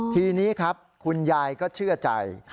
ทีนี้ครับคุณยายก็เชื่อใจ